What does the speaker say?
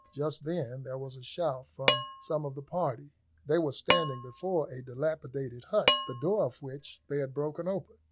Just then here was a shout from some of the party. They were standing before a dilapidated hut, the door of which they had broken open.